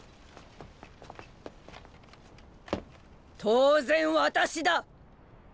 当然私だ！